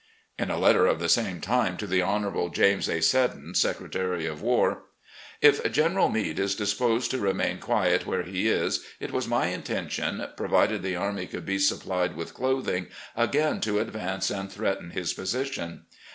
In a letter of the same time to the Honourable James A. Seddon, Secretary of War; .. If General Meade is disposed to remain quiet where he is, it was my intention, provided the army could be supplied with clothing, again to advance and threaten his position.